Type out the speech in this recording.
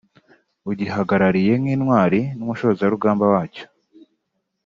ugihagarariye nk’Intwari n’umushozarugamba wacyo